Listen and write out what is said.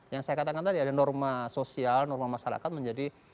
yang saya katakan tadi ada norma sosial norma masyarakat menjadi